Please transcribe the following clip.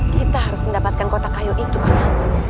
kita harus mendapatkan kota kayu itu kota